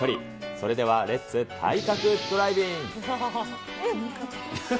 それではレッツ・体格ドライビング。